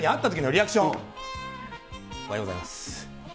おはようございます。